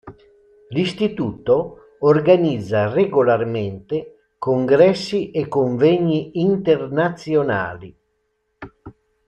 L'Istituto organizza regolarmente congressi e convegni internazionali.